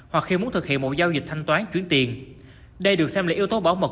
hoặc khi muốn thực hiện một giao dịch thanh toán chuyển tiền đây được xem là yếu tố bảo mật